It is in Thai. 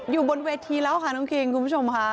อยู่บนเวทีแล้วค่ะน้องคิงคุณผู้ชมค่ะ